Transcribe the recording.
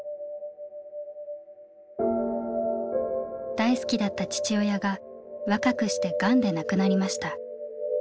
大好きだった父親が若くしてガンで亡くなりました。